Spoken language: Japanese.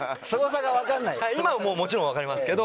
今はもうもちろん分かりますけど。